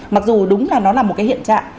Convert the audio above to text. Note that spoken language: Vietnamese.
mặc dù đúng là nó là một cái hiện trạng